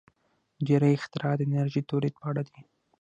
• ډېری اختراعات د انرژۍ د تولید په اړه دي.